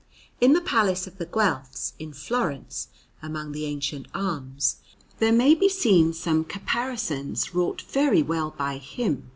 In the Palace of the Guelphs in Florence, among the ancient arms, there may be seen some caparisons wrought very well by him.